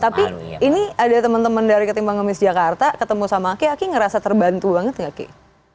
tapi ini ada temen temen dari ketimbang ngemis jakarta ketemu sama aki aki ngerasa terbantu banget nggak kik